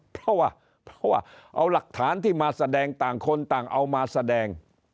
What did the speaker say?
เพราะว่าเพราะว่าเอาหลักฐานที่มาแสดงต่างคนต่างเอามาแสดง